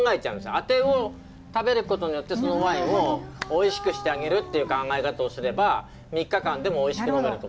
あてを食べることによってそのワインをおいしくしてあげるっていう考え方をすれば３日間でもおいしく呑めると思います。